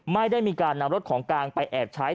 ไม่ได้มีการนำรถของกลางไปแอบใช้